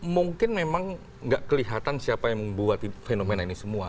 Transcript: mungkin memang nggak kelihatan siapa yang membuat fenomena ini semua